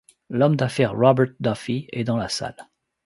L'homme d’affaires Robert Duffy est dans la salle.